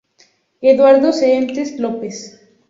Eduardo Serantes López".